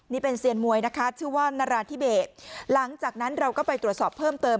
นี่เป็นเซียนมวยนะคะชื่อว่านราธิเบสหลังจากนั้นเราก็ไปตรวจสอบเพิ่มเติม